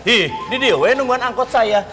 ih di dewe nungguan angkot saya